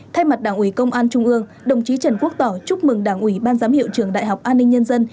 thay mặt đảng ủy công an trung ương đồng chí trần quốc tỏ chúc mừng đảng ủy ban giám hiệu trường đại học an ninh nhân dân